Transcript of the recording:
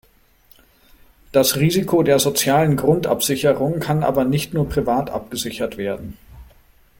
Das Risiko der sozialen Grundabsicherung kann aber nicht nur privat abgesichert werden.